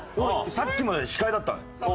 さっきまでは司会だったのよ。